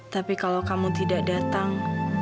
tapi kalau kamu tidak datang